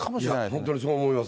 本当にそう思います。